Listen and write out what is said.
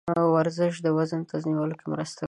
ورزش د وزن تنظیمولو کې مرسته کوي.